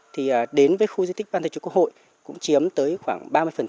thì đến với khu di tích ban thời chủ quốc hội cũng chiếm tới khoảng ba mươi